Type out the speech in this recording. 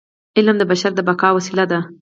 علم د بشر د بقاء وسیله ده.